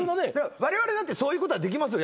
われわれだってそういうことはできますよ。